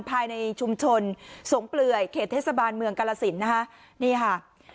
ภายในชุมชนสงเปลื่อยเขตเทศบาลเมืองกาลสินนะคะนี่ค่ะ